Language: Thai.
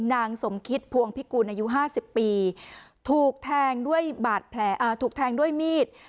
นางสมคิดภวงพิกูลอายุ๕๐ปีถูกแทงด้วยมีด